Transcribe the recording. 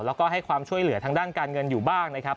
แล้วก็ให้ความช่วยเหลือทางด้านการเงินอยู่บ้างนะครับ